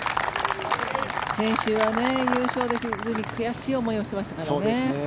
先週は優勝できずに悔しい思いをしましたからね。